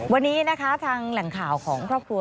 วันนี้นะคะทางแหล่งข่าวของครอบครัว